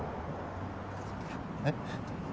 えっ？